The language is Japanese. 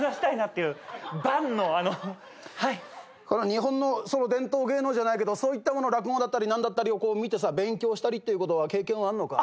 日本の伝統芸能じゃないけどそういったもの落語だったり何だったりを見て勉強したりっていうことは経験はあんのか？